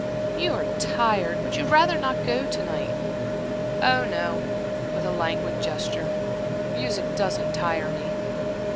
"You are tired. Would you rather not go to night?" "Oh, no" with a languid gesture. "Music doesn't tire me!"